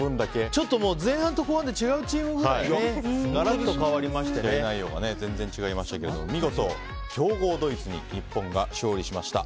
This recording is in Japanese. ちょっと前半と後半で違うチームくらい試合内容が違いましたが見事、強豪ドイツに日本が勝利しました。